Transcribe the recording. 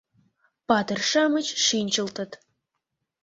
Патыр-шамыч шинчылтыт